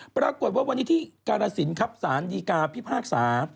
ปรากฎว่าวันนี้ที่กรศิลป์ครับศานดีกาพิพากษา